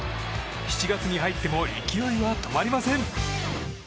７月に入っても勢いは止まりません。